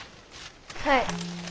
はい。